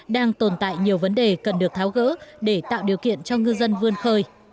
đang tồn tại nhiều vấn đề cần được tháo gỡ để tạo điều kiện cho ngư dân vươn khơi